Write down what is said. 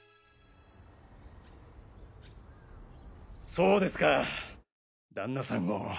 そうですか旦那さんを。